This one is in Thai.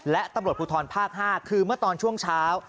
และตำรวจภูทรภาค๕คือเมื่อตอนช่วงเช้า